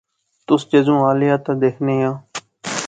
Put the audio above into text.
تس جذوں الے آ تے دیخنے آں